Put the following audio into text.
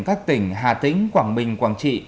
các tỉnh hà tĩnh quảng bình quảng trị